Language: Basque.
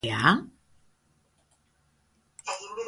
Ez al daukazu horren aditzea?